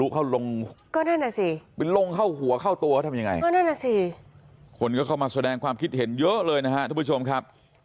คนก็เข้ามาแสดงความคิดเห็นเยอะเลยนะฮะทุกผู้ชมครับ